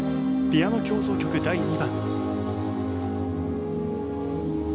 「ピアノ協奏曲第２番」。